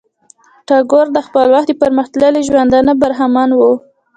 ټاګور د خپل وخت د پرمختللی ژوندانه برخمن وو.